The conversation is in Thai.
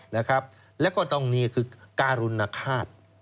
นะครับแล้วก็ตรงนี้คือการุณคาต